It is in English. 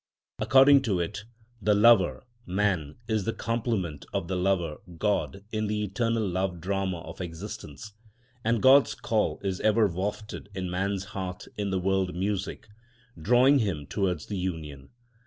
According to it, the lover, man, is the complement of the Lover, God, in the internal love drama of existence; and God's call is ever wafted in man's heart in the world music, drawing him towards the union.